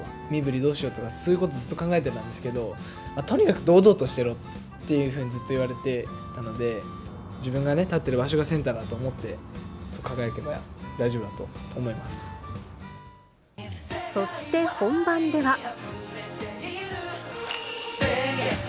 身ぶりどうしようとか、そういうことずっと考えてたんですけど、とにかく堂々としてろっていうふうにずっと言われてたので、自分が立ってる場所がセンターだと思って、そして本番では。